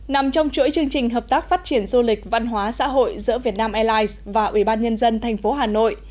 nằm trong chuỗi chương trình hợp tác phát triển du lịch văn hóa xã hội giữa vietnam airlines và ubnd tp hà nội